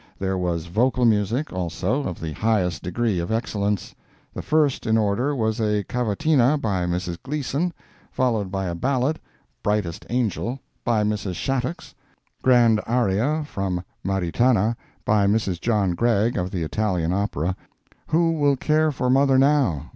There was vocal music, also, of the highest degree of excellence. The first in order was a cavatina, by Mrs. Gleason; followed by a ballad, "Brightest Angel," by Mrs. Shattucx; grand aria from "Maritana," by Mr. John Gregg, of the Italian opera; "Who will care for Mother now?"